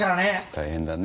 大変だね。